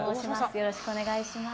よろしくお願いします。